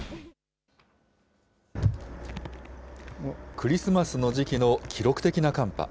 クリスマスの時期の記録的な寒波。